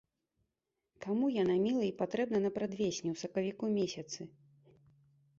Каму яна міла й патрэбна напрадвесні, у сакавіку месяцы?!